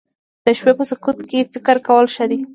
د شپې په سکوت کې فکر کول ښه دي